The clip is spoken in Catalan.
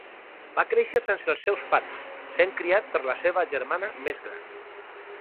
Va créixer sense els seus pares, sent criat per la seva germana més gran.